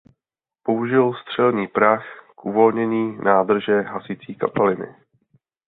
Použil střelný prach k uvolnění nádrže hasicí kapaliny.